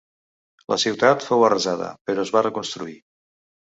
La ciutat fou arrasada, però es va reconstruir.